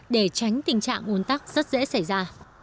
để tránh tình trạng uốn tắc rất dễ xảy ra